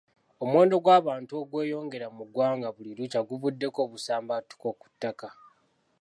Omuwendo gw'abantu ogweyongera mu ggwanga buli lukya guvuddeko obusambattuko ku ttaka.